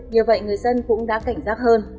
nhiều vậy người dân cũng đã cảnh giác hơn